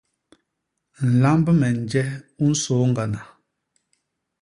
Nlamb me nje u nsôôñgana.